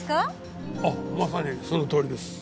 あっまさにそのとおりです。